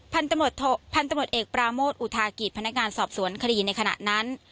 พันธุ์ตำรวจเอกปราโมทอุทากิจพนักงานสอบสวนคดีในขณะนั้น